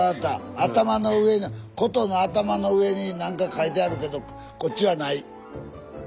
頭の上の琴の頭の上になんか描いてあるけどこっちはない。